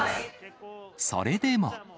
それでも。